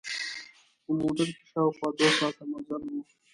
په موټر کې شاوخوا دوه ساعته مزل و.